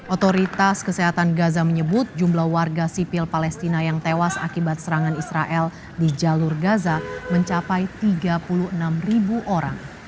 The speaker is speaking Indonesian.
otoritas kesehatan gaza menyebut jumlah warga sipil palestina yang tewas akibat serangan israel di jalur gaza mencapai tiga puluh enam ribu orang